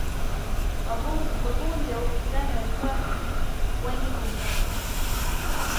Wabunge wa upinzani walikuwa wengi bungeni